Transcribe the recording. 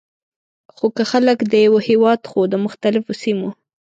خو که خلک د یوه هیواد خو د مختلفو سیمو،